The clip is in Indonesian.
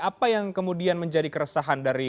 apa yang kemudian menjadi keresahan dari